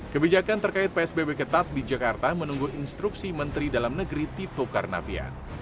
kebijakan terkait psbb ketat di jakarta menunggu instruksi menteri dalam negeri tito karnavian